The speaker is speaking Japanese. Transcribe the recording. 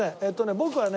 僕はね。